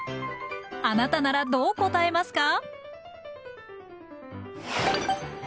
あなたならどう答えますか？